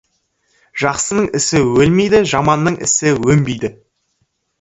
Жақсының ісі өлмейді, жаманның ісі өнбейді.